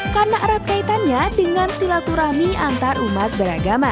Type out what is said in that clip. karena erat kaitannya dengan silaturahmi antar umat beragama